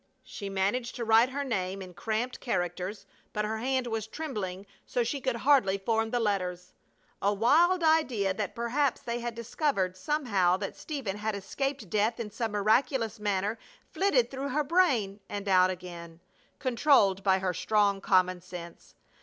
She managed to write her name in cramped characters, but her hand was trembling so she could hardly form the letters. A wild idea that perhaps they had discovered somehow that Stephen had escaped death in some miraculous manner flitted through her brain and out again, controlled by her strong common sense.